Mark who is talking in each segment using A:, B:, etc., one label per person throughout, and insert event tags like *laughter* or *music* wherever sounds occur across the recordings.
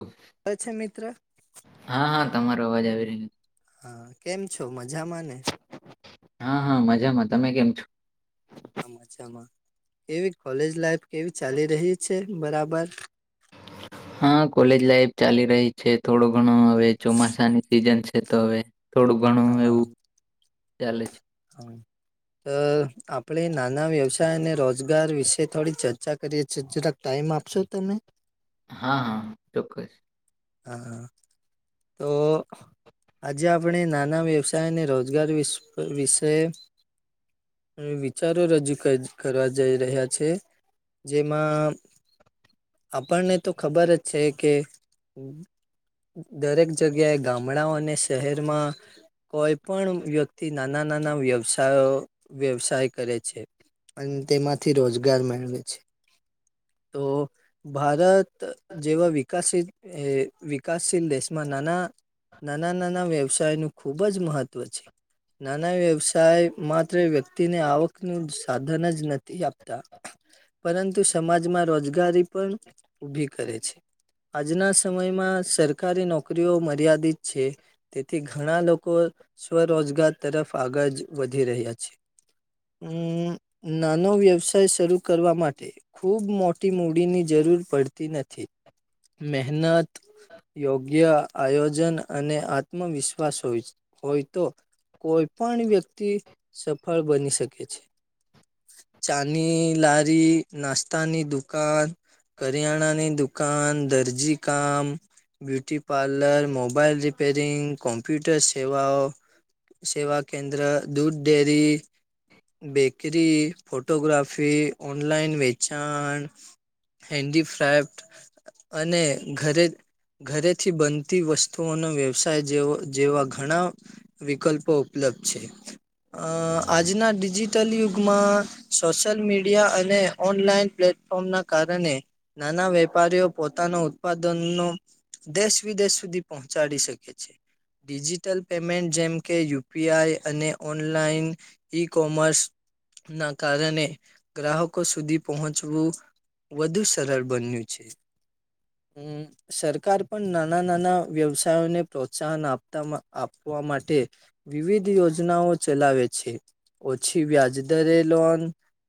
A: ઓ
B: અચ્છા મિત્ર
A: હાં હાં તમારો અવાજ આવી રહ્યો
B: હાં કેમ છો મઝામાં ને
A: હાં હાં મઝામાં તમે કેમ છો?
B: છામાં કેવી કોલેજ લાઈફ, કેવી ચાલી રહી છે બરાબર?
A: હા કોલેજ લાઈફ ચાલી રહી છે, થોડો ઘણો હવે ચોમાસાની સિઝન છે, તો હવે *inaudible*
B: હા
A: ચાલે છે.
B: અવે અ આપણેે નાના વ્યવસાય અને રોજગાર વિશે થોડી ચર્ચા કરીએ છીએ જરાક ટાઇમ આપશો તમે?
A: હા, ચોક્કસ.
B: હા હા તો આજે આપણે નાના વ્યવસાય અને રોજગાર વિષ વિષયે મે વિચારો રજૂ કજ કરવા જઈ રહ્યા છે. જેમાં આપણને તો ખબર જ છે કે દરેક જગ્યાએ ગામડાઓ અને શહેરમાં કોઈ પણ વ્યક્તિ નાના નાના વ્યવસાયો વ્યવસાય કરે છે અને તેમાંથી રોજગાર મેળવે છે, તો ભારત ત જેવા વિકાસીત એ વિકાસ ઇન દેશમાં નાના, નાના નાના વ્યવસાયનું ખૂબ જ મહત્વ છે નાના વ્યવસાય માત્ર વ્યક્તિને આવકનું સાધન જ નથી આપતા પરંતુ સમાજમાં રોજગારી પણ ઊભી કરે છે. આજના સમયમાં સરકારી નોકરીઓ મર્યાદિત છે. તેથી ઘણા લોકો સ્વરોજગાર તરફ આગજ વધી રહ્યા છે. હમ્મ, નાનો વ્યવસાય શરૂ કરવા માટે ખૂબ મોટી મૂડીની જરૂર પડતી નથી, મહેનત યોગ્ય આયોજન અને આત્મવિશ્વાસ હોયછે, હોય તો કોઈ પણ વ્યક્તિ સફળ બની શકે છે. ચાની લારી, નાસ્તાની દુકાન કરિયાણાની દુકાન, દરજી કામ beauty parlour, mobile repairing, computer સેવાઓ સેવા કેન્દ્ર, દૂધ ડેરી બેકરી, ફોટોગ્રાફી, ઓનલાઈન વેચાણ હેન્ડીફ્રાટ અને ઘરે ઘરેથી બનતી વસ્તુઓનો વ્યવસાય જેવો જેવા ઘણા વિકલ્પો ઉપલબ્ધ છે. અ આજના ડિજિટલ યુગમાં સોશિયલ મીડિયા અને ઓનલાઈન પ્લે ઓના કારણે નાના વેપારીઓ પોતાનો ઉત્પાદનનો દેશ વિદેશ સુધી પહોંચાડી શકે છે. ડિજિટલ પેમેન્ટ જેમકે યુપીઆઈ અને ઓનલાઈન ઈ કોમર્સ ના કારણે ગ્રાહકો સુધી પહોંચવું વધુ સરળ બન્યું છે, હમ્મ સર કાર પણ નાના નાના વ્યવસાયોને પ્રોત્સાહન આપતા આપવા માટે વિવિધ યોજનાઓ ચલાવે છે, ઓછી વ્યાજદરે લોન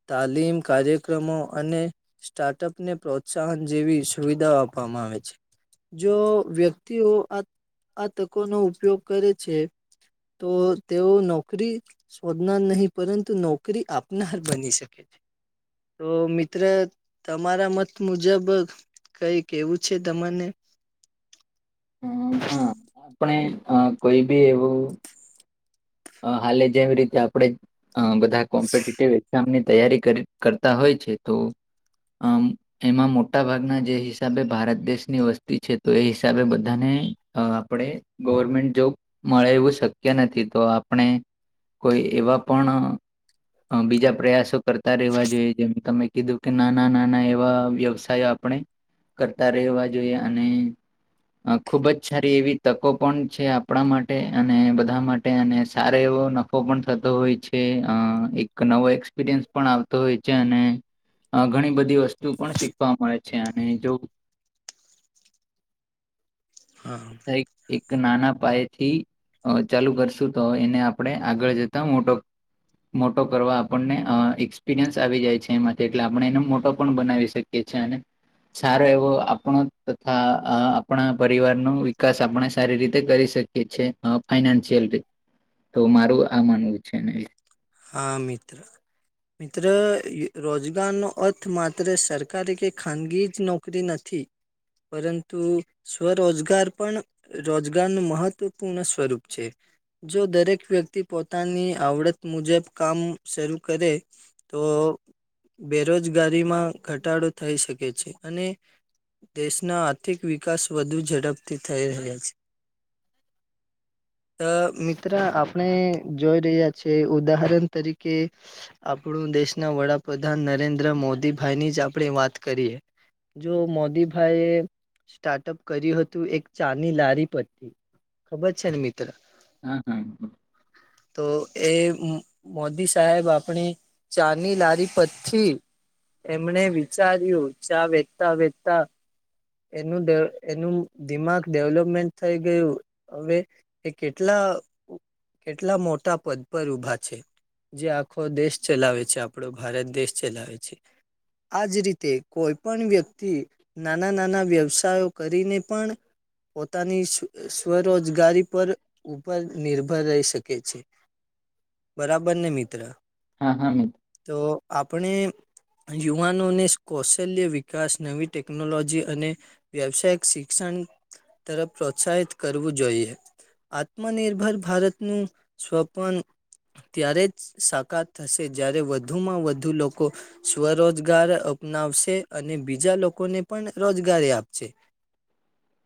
B: તાલીમ કાર્યક્રમો અને સ્ટાર્ટઅપ ને પ્રોત્સાહન જેવી સુવિધાઓ આપવામાં આવે છે. જો વ્યક્તિઓ આ આ તકોનો ઉપયોગ કરે છે. તો તેઓ નોકરી શોધનાર નહી પરંતુ નોકરી આપનાર બની શકે છે. તો મિત્ર તમારા મત મુજબ કઈ કેવું છે તમાને
A: હમ હમ આપણે કોઈ બી એવું હાલે જેવી રીતે આપણેે બધા કોમ્પિટટિવ એક્ઝામની તૈયારી કરી કરતા હોય છે તો આમ એમાં મોટા ભાગના જે હિસાબે ભારત દેશની વસ્તી છે તો એ હિસાબે બધાને આપણેે. ગવર્મેન્ટ જોબ મળે એવું શક્ય નથી તો આપ આપણે કોઈ એવા પણ બીજા પ્રયાસો કરતા રહેવા જોઈએ જેમ તમે કીધું કે નાના નાના એવા વ્યવસાયો આપણે કરતા રહેવા જોઈએ અને અ ખુબ જ સારી એવી તકો પણ છે આપણા માટે અને બધા માટે અને સારો એવો નફો પણ થતો હોય છે અ એક નવો એ એક્પિરયન્સ પણ આવતો હોય છે અને ઘણી બધી વસ્તુ પણ શીખવા મળે છે અને જો
B: હા.
A: એક નાના પાય થી ચાલુ કરશુ તો એને આપણે આગળ જતા મોટો મોટો કરવા આપણને એક્સપિરિયન્સ આવી જાય છે એમાંથી એટલે આપણે એનો મોટો પણ બનાવી શકીએ. સારો એવો આપણો તથા આપણા પરિવાર ન વિકાસ આપણે સારી રીતે કરી શકીએ છીએ ફનાશયલ તો મારું આ માનવું છે ને
B: હા મિત્ર
A: *inaudible*
B: મિત્ર રોજગારનો અર્થ માત્ર સરકારી કે ખાનગી જ નોકરી નથી. પરંતુ સ્વરોજગાર પણ રોજગારનું મહત્વપૂર્ણ સ્વરૂપ છે. જો દરેક વ્યક્તિ પોતાની આવડત મુજબ કામ શરૂ કરે તો બેરોજગારીમાં ઘટાડો થઈ શકે છે અને દેશના આર્થિક વિકાસ વધુ ઝડપથી થઈ રહ્યા છે. તો મિત્ર આપણે જોઈ રહહી્યા. છે ઉદાહરણ તરીકે આપણું દેશના વડાપ્રધાન નરેન્દ્ર મોદી ભાઈની જ આપણે વાત કરીએ. જો મોદીભાઈ એ સ્ટાર્ટઅપ કર્યું હતું એક ચાની લારી પરથી ખુબ છે ને મિત્ર.
A: હા હા.
B: તો. એ મોદી સાહેબ આપણે ચાની લારી પછી. એમણે વિચાર્યું ચા વેચતા વેચતા એનું એનું દિમાગ ડેવલપમેન્ટ થઈ ગયું હવે. એ કેટલા કેટલા મોટા પદ પર ઉભા છે જે આખો દેશ ચલાવે છે આપણો ભારત દેશ ચલાવે છે. આજ રીતે કોઈ પણ વ્યક્તિ નાના નાના વ્યવસાયો કરીને પણ પોતાની સ્વ સ્વરોજગારી પર ઉપર નિર્ભર રહી શકે છે. બરાબર ને મિત્ર?
A: હા હા મીત.
B: તો આપણે યુવાનોને કૌશલ્ય, વિકાસ, નવી ટેકનોલોજી અને વ્યવસાયિક શિક્ષણ તરફ પ્રોત્સાહિત કરવું જોઈએ. આત્મનિર્ભર ભારતનું સ્વ પણ ત્યારે જ સાકાર થશે જ્યારે વધુમાં વધુ લોકો સ્વરોજગાર અપનાવશે અને બીજા લોકોને પણ રોજગારી આપશે.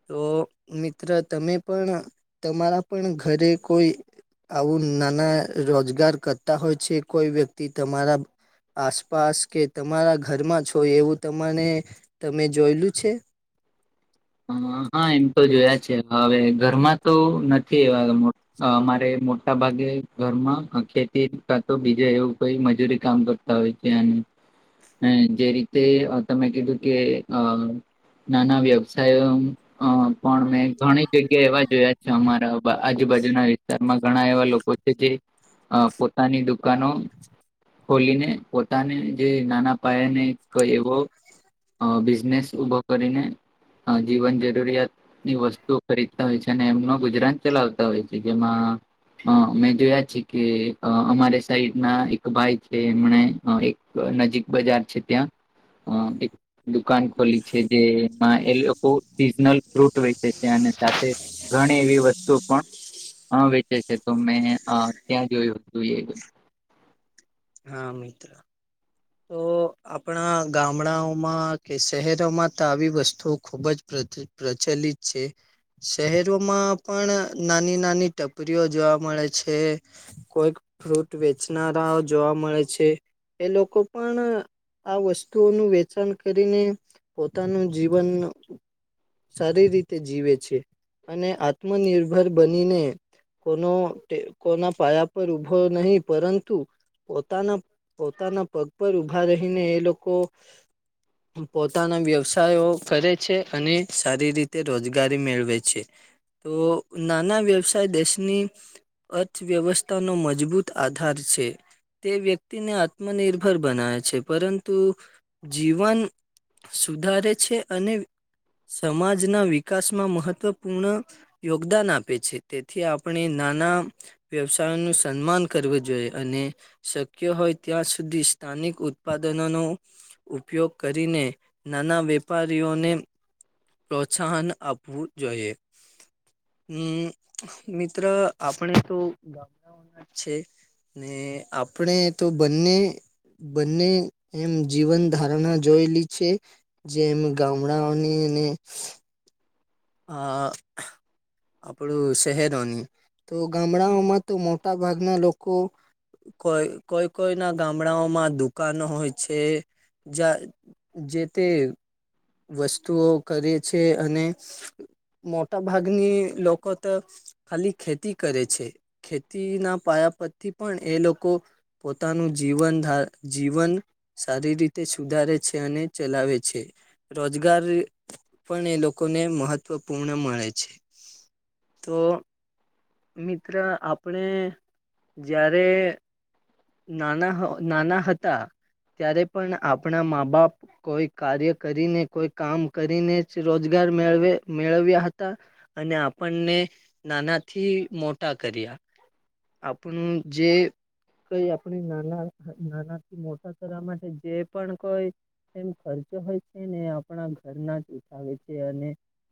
B: તો મિત્ર તમે પણ તમારા પણ ઘરે કોઈ આવું નાના રોજગાર કરતા હોય છે, કોઈ વ્યક્તિ તમારા આસપાસ કે તમારા ઘરમા જ હોય એવું તમાને તમે જોયેલું છે?
A: હ હા એમ તો જોયા છે. હવે ઘરમાં તો નથી એવા અમારે મોટા ભાગે ઘરમાં અ ખેતી કાંતો બીજે એવું કોઈ મજૂરી કામ કરત તાં હોય છેનું. હ જે રીતે તમે કીધું કે અ નાના વ્ય સાયોમ અ પણ મેં ઘણી જગ્યા એવા જોયા છે અમારા આજુબાજુના વિસ્તારમાં. ઘણા એવા લોકો છે જે અ પોતાની દુકાનો ખોલીને પોતાને જે નાના પાયા ને કોઈ એવો અ બિઝનેસ ઊભો કરીને અ જીવન જરૂરિયાત ની વસ્તુઓ ખરીદતા હોય છે અને એમનો ગુજરાન ચલાવતા હોય છે. જેમાં હ મેં જોયા છે કે અમારે સાઈડ ના એક ભાઈ છે, એમને નજીક બજાર છે. ત્યાં અ એક દુકાન ખોલી છે જે અ એ લોકો સીઝનલ ફ્રૂટ વેચે છે અને સાથે ઘણી એવી વસ્તુ પણ હા વેચે છે, તો મેં અ ત્યાં જોયું હતું એ.
B: હા મિત્ર. તો આપણા ગામડાઓમાં કે શહેરોમાં તો આવી વસ્તુઓ ખુબ જ પ્ર પ્રચલિત છે. શહેરોમાં પણ નાની નાની ટપરીઓ જોવા મળે છે. કોઈક ફ્રૂટ વેચનારા જોવા મળે છે. એ લોકો પણ આ વસ્તુઓનું વેચાણ કરીને પોતાનું જીવન સારી રીતે જીવે છે અને આત્મનિર્ભર બનીને કોનું કોના પાયા પર ઉભો નહીં પરંતુ પોતાના પોતાના પગ પર ઉભા રહીને એ લોકો પોતાના વ્યવસાયો કરે છે અને સારી રીતે રોજગારી મેળવે છે. તો નાના વ્યવસાય દેશની અર્થવ્યવસ્થાનો મજબૂત આધાર છે. તે વ્યક્તિને આત્મનિર્ ભર બનાવે છે, પરંતુ જીવન સુધારે છે અને સમાજના વિકાસમાં મહત્વપૂર્ણ યોગદાન આપે છે. તેથી આપણે નાના વ્યવસાય નું સન્માન કરવું જોઈએ અને શક્ય હોય ત્યાં સુધી સ્થાનિક ઉ ત્પાદનો નો ઉપયોગ કરીને નાના વેપારીઓને પ્રોત્સાહન આપવું જોઈએ. હમ્મ, મિત્ર આપણે તો ગામડાઓના જ છે ને આપણે તો બંને બંને એમ જીવન ધારણા જોયેલી છે જેમ ગામડાઓની અને અહ આપડું શહેરોની તો ગામડાઓમાં તો મોટા ભાગના લોકો કોઈ કોઈ કોઈ ના ગામડાઓમાં દુકાન હોય છે. જા જે તે વસ્તુઓ કરે છે અને મોટા ભાગની લોકો તો ખાલી ખેતી કરે છે ખેતીના પાયા પથી પણ એ લોકો પોતાનું જીવન ધા જીવન સારી રીતે સુધારે છે અને ચલાવે છે. રોજગાર એ પણ એ લોકોને મહત્વપૂર્ણ મળે છે. તો મિત્ર આપણે જ્યારે નાના હો નાના હતા ત્યારે પણ આપણા માં બાપ કોઈ કાર્ય કરીને કોઈ કામ કરીને જ રોજગાર મેળવે મેળવ્યા હતા. અને આપણને નાનાથી મોટા કર્યા આપણ જે કઈ આપણે નાના નાના થી મોટા કરમાં છે જે પણ કોઈ એમ ખર્ચો હોય છે ને આપણા ઘરના જ ઉઠાવે છે અને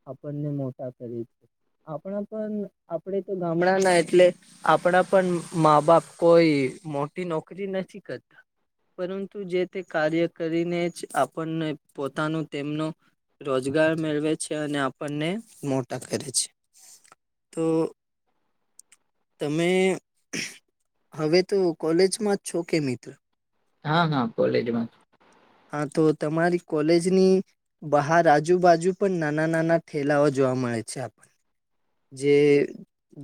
B: આપણને મોટા કરે છે. આપણા પણ આપણેે તો ગામડા ના એટલે આપડા પણ માં બાપ કોઈ મોટી નોકરી નથી કરતા. પરંતુ જે તે કાર્ય કરીને જ આપણને પોતાનું તેમનો રોજગાર મેળવે છે અને આપણને મોટા કરે છે. તો તમે હવે તો કોલેજમાં છો કે મિત્ર?
A: હા હા કોલેજમાં.
B: હા તો તમારી કોલેજની બહાર આજુબાજુ પણ નાના નાના ઠેલાઓ જોવા મળે છે આપન. જે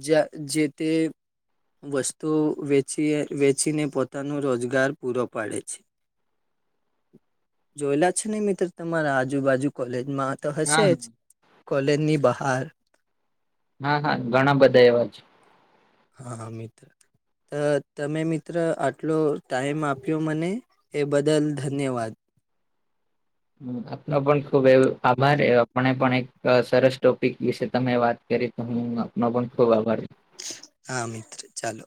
B: જ્યાં જે તે વસ્તુ વેચી વેચીને પોતાનો રોજગાર પૂરો પાડે છે. જોયેલા છે નહી મિત્ર તમારા આજુબાજુ કોલેજમાં તો
A: હા
B: હશે જ કોલેજની બહાર
A: હા હા ઘણા બધા એવા છે.
B: હા હા મિત્ર. અહ તમે મિત્ર આટલો ટાઈમ આપ્યો મને એ બદલ ધન્યવાદ.
A: હમ્મ આપનો પણ ખુબ એવ આભાર એ આપને પણ એક સરસ ટોપિક વિશે તમે વાત તે રે તો હું આપનો પણ ખૂબ આભાર.
B: હા, મિત્ર ચાલો.